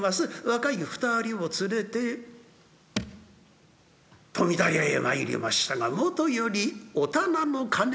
若い２人を連れて富田屋へ参りましたがもとよりお店の金に手を付けた。